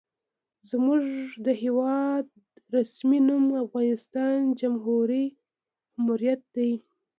زموږ د هېواد رسمي نوم افغانستان اسلامي جمهوریت دی.